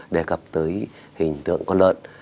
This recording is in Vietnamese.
đề cập tới hình tượng con lợn